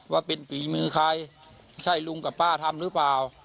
ว่าเป็นฝีมือใครใช่ลุงกับป้าทำหรือเปล่า